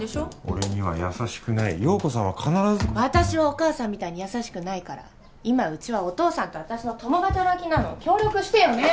俺には優しくない陽子さんは必ず私はお母さんみたいに優しくないから今うちはお父さんと私の共働きなの協力してよね